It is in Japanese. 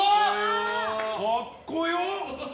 かっこよ！